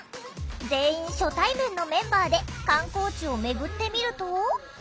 全員初対面のメンバーで観光地を巡ってみると。